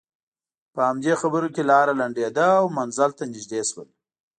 په همدې خبرو کې لاره لنډېده او منزل ته نژدې شول.